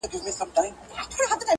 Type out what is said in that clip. بیا د هرو جامو سره صدرۍ، خولۍ